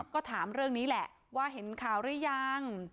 ก็ถามเรื่องนี้แหละว่าเห็นข่าวหรือยัง